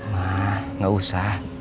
ma nggak usah